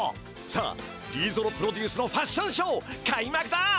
さあリーゾロプロデュースのファッションショー開まくだ！